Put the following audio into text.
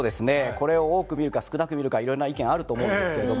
これ多く見るか少なく見るかいろいろな意見あると思うんですけれども。